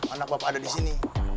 anak bapak ada disini